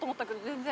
全然。